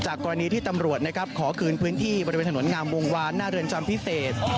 กรณีที่ตำรวจนะครับขอคืนพื้นที่บริเวณถนนงามวงวานหน้าเรือนจำพิเศษ